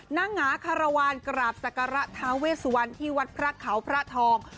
นางหงาคารวาลกราบศักระทาเวสวันที่วัดพระเขาพระทอง